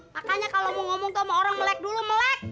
makanya kalau mau ngomong sama orang melek dulu melek